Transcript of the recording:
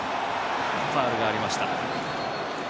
ファウルがありました。